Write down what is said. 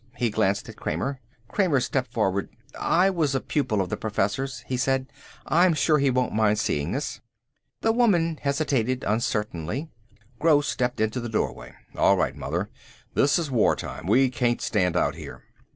He glanced at Kramer. Kramer stepped forward. "I was a pupil of the Professor's," he said. "I'm sure he won't mind seeing us." The woman hesitated uncertainly. Gross stepped into the doorway. "All right, mother. This is war time. We can't stand out here."